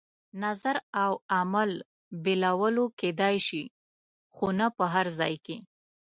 نظر او عمل بېلولو کېدای شي، خو نه په هر ځای کې.